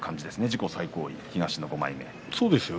自己最高位、東の５枚目。